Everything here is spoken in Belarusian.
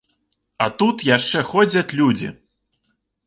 А тут яшчэ ходзяць людзі.